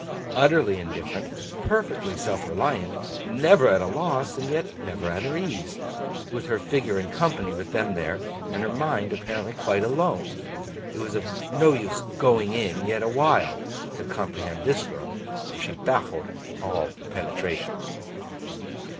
Utterly indifferent, perfectly self reliant, never at a loss, and yet never at her ease, with her figure in company with them there, and her mind apparently quite alone—it was of no use 'going in' yet awhile to comprehend this girl, for she baffled all penetration.